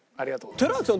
寺脇さん